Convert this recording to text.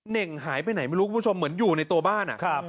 เน่งหายไปไหนไม่รู้คุณผู้ชมเหมือนอยู่ในตัวบ้าน